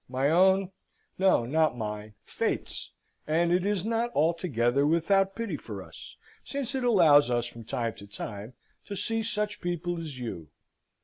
My own? No, not mine Fate's: and it is not altogether without pity for us, since it allows us, from time to time, to see such people as you."